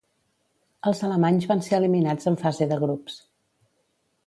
Els alemanys van ser eliminats en fase de grups.